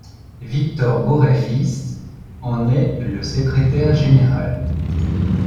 Victor Boret fils en est le secrétaire général.